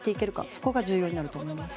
そこが重要になると思います。